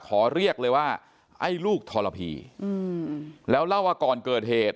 ขอเรียกเลยว่าไอ้ลูกทรพีอืมแล้วเล่าว่าก่อนเกิดเหตุ